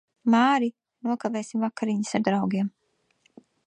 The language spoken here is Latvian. Māri, nokavēsim vakariņas ar draugiem.